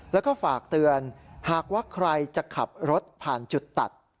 แล้วก็ฝากเตือนหากว่าใครจะขับรถผ่านจุดตัด